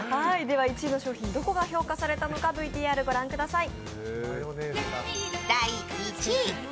１位の商品、どこが評価されたのか、ＶＴＲ御覧ください。